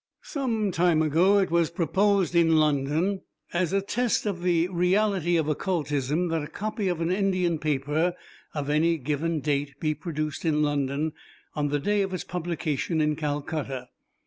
Some time ago it was proposed in London, as a test of the reality of occultism, that a copy of an Indian paper of any given date be produced in London on the day of its publication in Calcutta.